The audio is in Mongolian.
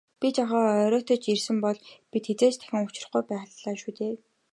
Би жаахан оройтож ирсэн бол бид хэзээ ч дахин учрахгүй байлаа шүү дээ.